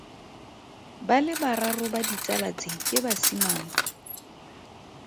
Ba le bararo ba ditsala tse ke basimane.